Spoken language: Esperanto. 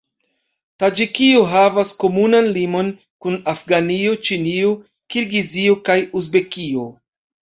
Taĝikio havas komunan limon kun Afganio, Ĉinio, Kirgizio kaj Uzbekio.